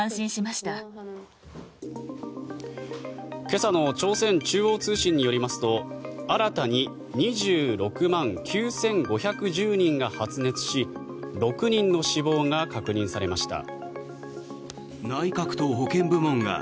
今朝の朝鮮中央通信によりますと新たに２６万９５１０人が発熱し６人の死亡が確認されました。